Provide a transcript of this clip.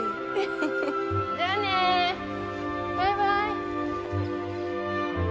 じゃあね、バイバイ。